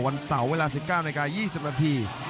วันเสาร์เวลา๑๙นาที๒๐นาที